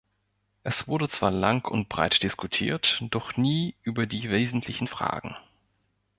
Es wurde zwar lang und breit diskutiert, doch nie über die wesentlichen Fragen.